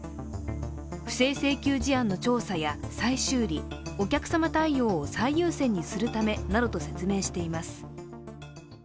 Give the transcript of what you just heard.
不正請求事案の調査や再修理、お客様対応を最優先にするためなどと説明しています。